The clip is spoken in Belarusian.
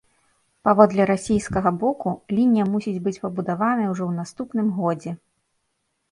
Паводле расійскага боку, лінія мусіць быць пабудаваная ўжо ў наступным годзе.